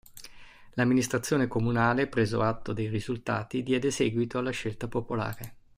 L'amministrazione comunale, preso atto dei risultati, diede seguito alla scelta popolare.